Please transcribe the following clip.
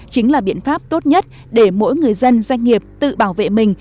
chính là biện pháp tốt nhất để mỗi người dân doanh nghiệp tự bảo vệ mình